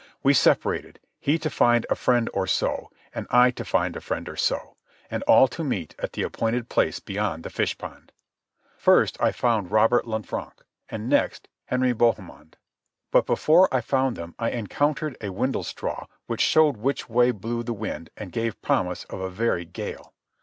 We separated—he to find a friend or so, and I to find a friend or so, and all to meet at the appointed place beyond the fish pond. First I found Robert Lanfranc, and, next, Henry Bohemond. But before I found them I encountered a windlestraw which showed which way blew the wind and gave promise of a very gale.